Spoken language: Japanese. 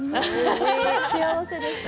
幸せです。